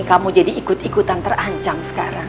kamu jadi ikut ikutan terancam sekarang